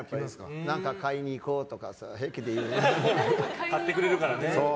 何か買いに行こうとか買ってくれるからね。